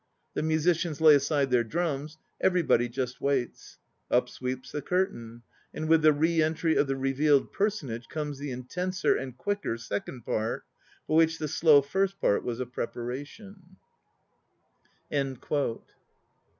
The musicians lay aside their drums. Everybody just waits. Up sweeps the curtain, and with the re entry of the revealed personage comes the intenser and quicker second part for which the slow first part was a preparation.